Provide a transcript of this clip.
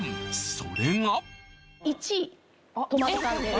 それが１位トマト缶です